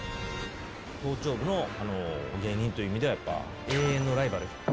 頭頂部の芸人という意味では、やっぱ、永遠のライバル。